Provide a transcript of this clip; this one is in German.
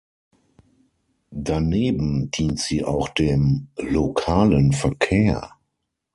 Daneben dient sie auch dem lokalen Verkehr.